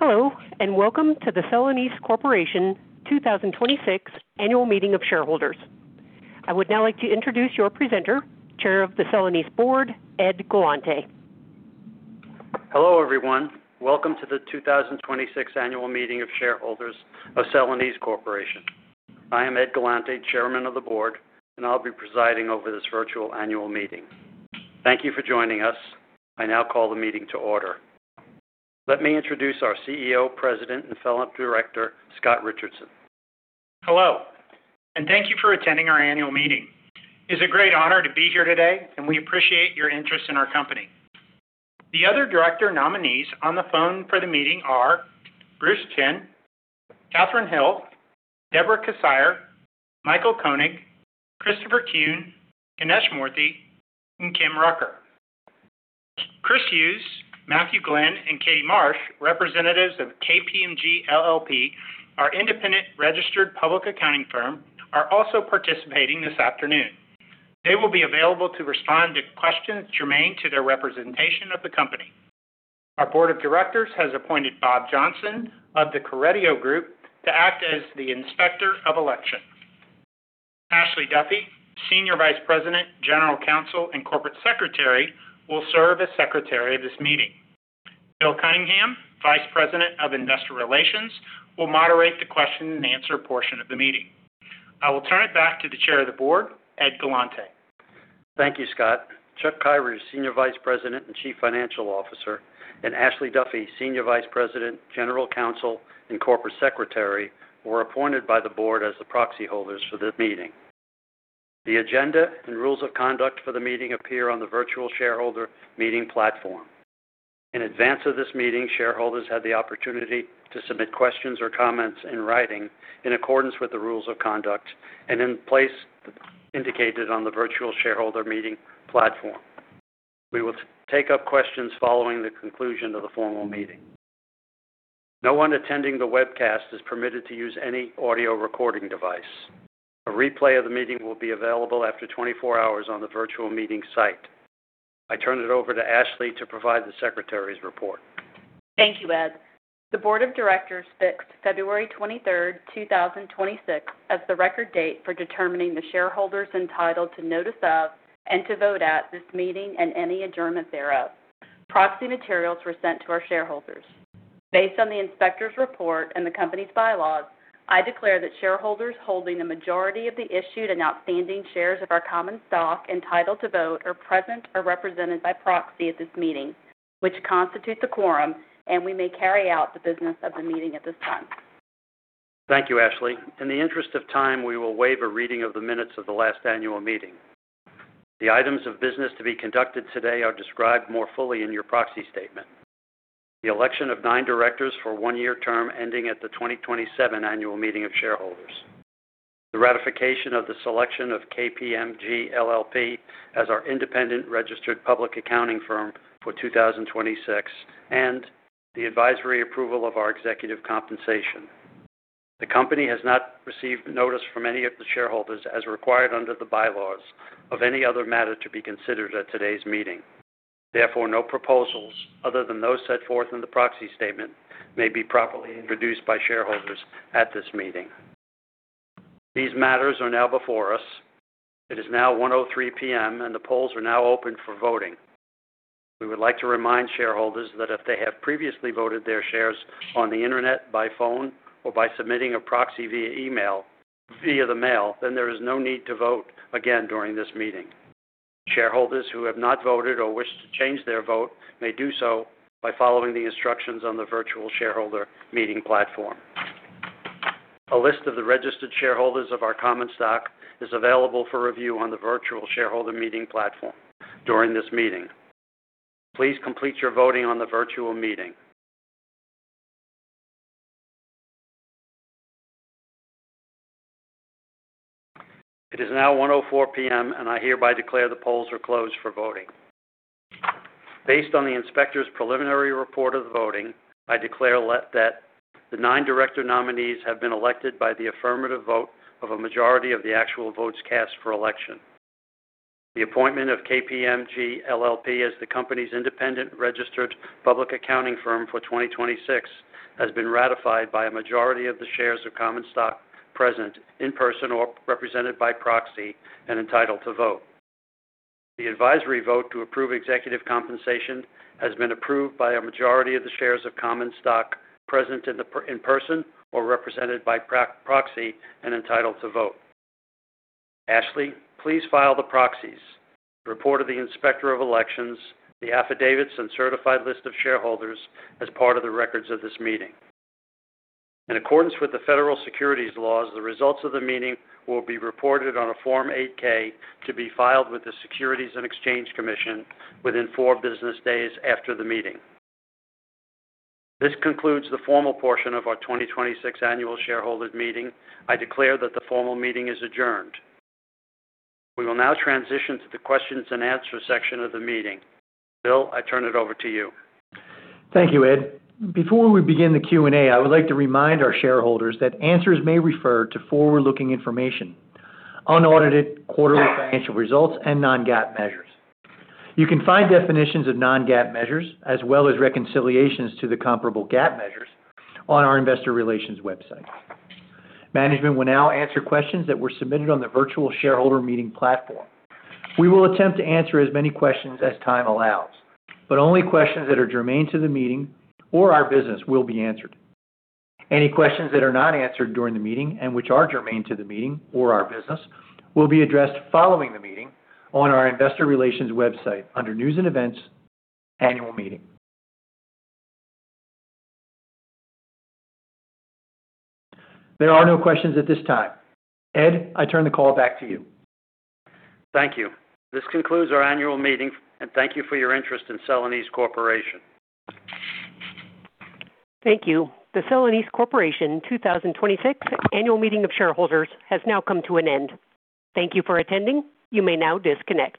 Hello, and welcome to the Celanese Corporation 2026 Annual Meeting of Shareholders. I would now like to introduce your presenter, Chair of the Celanese Board, Ed Galante. Hello, everyone. Welcome to the 2026 Annual Meeting of Shareholders of Celanese Corporation. I am Edward Galante, Chairman of the Board, and I'll be presiding over this virtual annual meeting. Thank you for joining us. I now call the meeting to order. Let me introduce our CEO, President, and Fellow Director, Scott Richardson. Hello, and thank you for attending our annual meeting. It's a great honor to be here today, and we appreciate your interest in our company. The other director nominees on the phone for the meeting are Bruce Chinn, Kathryn Hill, Deborah Kissire, Michael Koenig, Christopher Kuehn, Ganesh Moorthy, and Kim Rucker. Chris Hughes, Matthew Glenn, and Katie Marsh, representatives of KPMG LLP, our independent registered public accounting firm, are also participating this afternoon. They will be available to respond to questions germane to their representation of the company. Our Board of Directors has appointed Bob Johnson of the Coratio Group to act as the Inspector of Election. Ashley Duffie, Senior Vice President, General Counsel, and Corporate Secretary, will serve as Secretary of this meeting. Bill Cunningham, Vice President of Investor Relations, will moderate the question and answer portion of the meeting. I will turn it back to the Chair of the Board, Ed Galante. Thank you, Scott. Chuck Kyrish, Senior Vice President and Chief Financial Officer, and Ashley Duffie, Senior Vice President, General Counsel, and Corporate Secretary, were appointed by the Board as the proxy holders for this meeting. The agenda and rules of conduct for the meeting appear on the virtual shareholder meeting platform. In advance of this meeting, shareholders had the opportunity to submit questions or comments in writing in accordance with the rules of conduct and in the place indicated on the virtual shareholder meeting platform. We will take up questions following the conclusion of the formal meeting. No one attending the webcast is permitted to use any audio recording device. A replay of the meeting will be available after 24 hours on the virtual meeting site. I turn it over to Ashley to provide the Secretary's report. Thank you, Ed. The Board of Directors fixed February 23rd, 2026, as the record date for determining the shareholders entitled to notice of, and to vote at this meeting and any adjournment thereof. Proxy materials were sent to our shareholders. Based on the Inspector's report and the company's bylaws, I declare that shareholders holding the majority of the issued and outstanding shares of our common stock entitled to vote are present or represented by proxy at this meeting, which constitutes a quorum, and we may carry out the business of the meeting at this time. Thank you, Ashley. In the interest of time, we will waive a reading of the minutes of the last annual meeting. The items of business to be conducted today are described more fully in your proxy statement. The election of nine directors for a one-year term ending at the 2027 Annual Meeting of Shareholders, the ratification of the selection of KPMG LLP as our independent registered public accounting firm for 2026, and the advisory approval of our executive compensation. The company has not received notice from any of the shareholders as required under the bylaws of any other matter to be considered at today's meeting. Therefore, no proposals other than those set forth in the proxy statement may be properly introduced by shareholders at this meeting. These matters are now before us. It is now 1:03 PM, and the polls are now open for voting. We would like to remind shareholders that if they have previously voted their shares on the internet, by phone, or by submitting a proxy via the mail, then there is no need to vote again during this meeting. Shareholders who have not voted or wish to change their vote may do so by following the instructions on the virtual shareholder meeting platform. A list of the registered shareholders of our common stock is available for review on the virtual shareholder meeting platform during this meeting. Please complete your voting on the virtual meeting. It is now 1:04 PM, and I hereby declare the polls are closed for voting. Based on the Inspector's preliminary report of the voting, I declare that the nine director nominees have been elected by the affirmative vote of a majority of the actual votes cast for election. The appointment of KPMG LLP as the company's independent registered public accounting firm for 2026 has been ratified by a majority of the shares of common stock present in person or represented by proxy and entitled to vote. The advisory vote to approve executive compensation has been approved by a majority of the shares of common stock present in person or represented by proxy and entitled to vote. Ashley, please file the proxies, the report of the Inspector of Elections, the affidavits and certified list of shareholders as part of the records of this meeting. In accordance with the federal securities laws, the results of the meeting will be reported on a Form 8-K to be filed with the Securities and Exchange Commission within four business days after the meeting. This concludes the formal portion of our 2026 Annual Shareholders Meeting. I declare that the formal meeting is adjourned. We will now transition to the questions and answer section of the meeting. Bill, I turn it over to you. Thank you, Ed. Before we begin the Q and A, I would like to remind our shareholders that answers may refer to forward-looking information, unaudited quarterly financial results, and non-GAAP measures. You can find definitions of non-GAAP measures as well as reconciliations to the comparable GAAP measures on our investor relations website. Management will now answer questions that were submitted on the virtual shareholder meeting platform. We will attempt to answer as many questions as time allows, but only questions that are germane to the meeting or our business will be answered. Any questions that are not answered during the meeting and which are germane to the meeting or our business will be addressed following the meeting on our investor relations website under news and events, annual meeting. There are no questions at this time. Ed, I turn the call back to you. Thank you. This concludes our annual meeting, and thank you for your interest in Celanese Corporation. Thank you. The Celanese Corporation 2026 Annual Meeting of Shareholders has now come to an end. Thank you for attending. You may now disconnect.